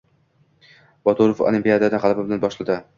Boturov Olimpiadani g‘alaba bilan boshladi